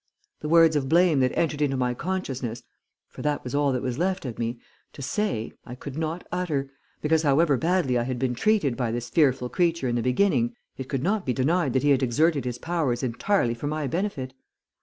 The words of blame that entered into my consciousness for that was all that was left of me to say, I could not utter, because however badly I had been treated by this fearful creature in the beginning, it could not be denied that he had exerted his powers entirely for my benefit.